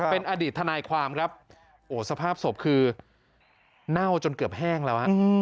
เป็นอดีตทนายความครับโอ้สภาพศพคือเน่าจนเกือบแห้งแล้วฮะ